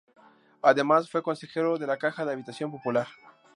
Además fue consejero de la Caja de Habitación Popular.